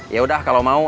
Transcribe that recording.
yaudah kalau mau